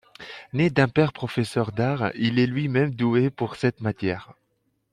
Né d'un père professeur d'art, il est lui-même doué pour cette matière.